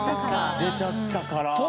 出ちゃったから。